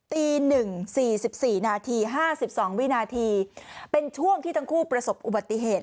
ตี๑๔๔นาที๕๒วินาทีเป็นช่วงที่ทั้งคู่ประสบอุบัติเหตุ